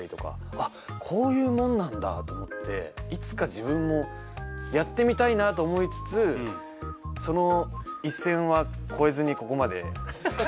あっこういうもんなんだと思っていつか自分もやってみたいなと思いつつその一線は越えずにここまで。